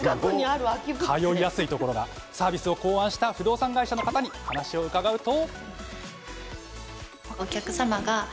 サービスを考案した不動産会社の方に話を伺うと。